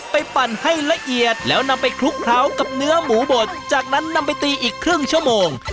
ปั่นให้ละเอียดแล้วนำไปคลุกเคล้ากับเนื้อหมูบดจากนั้นนำไปตีอีกครึ่งชั่วโมง